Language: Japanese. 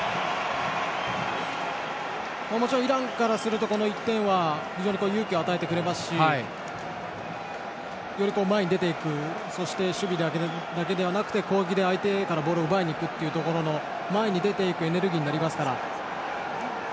イランからするとこの１点は非常に勇気を与えてくれますしより前に出ていくそして守備だけじゃなくて攻撃で相手からボールを奪いにいくというところの前に出ていくエネルギーになりますから。